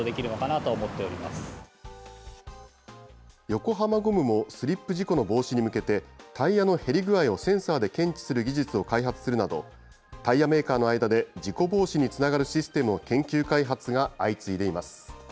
横浜ゴムもスリップ事故の防止に向けて、タイヤの減り具合をセンサーで検知する技術を開発するなど、タイヤメーカーの間で、事故防止につながるシステムの研究開発が相次いでいます。